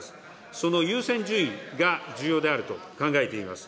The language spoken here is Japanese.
その優先順位が重要であると考えています。